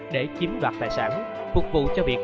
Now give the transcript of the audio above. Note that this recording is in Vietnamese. để chiếm đoạt tài sản phục vụ cho việc